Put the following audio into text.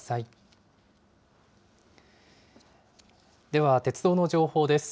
では、鉄道の情報です。